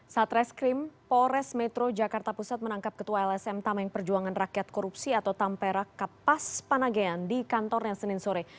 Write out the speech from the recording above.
satres krim pores metro jakarta pusat menangkap ketua lsm taman perjuangan rakyat korupsi atau tampera kepas panagean di kantornya senin sore